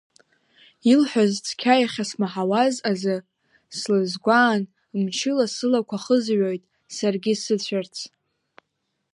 Илҳәаз цқьа иахьсмаҳауаз азы, слызгәаан, мчыла сылақәа хызҩоит, саргьы сыцәарц.